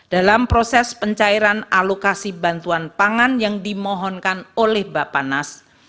dalam proses pencairan alokasi bantuan pangan yang dimohonkan oleh bapak nas